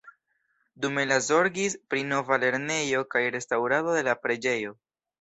Dume li zorgis pri nova lernejo kaj restaŭrado de la preĝejo.